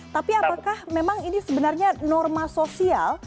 tapi apakah memang ini sebenarnya norma sosial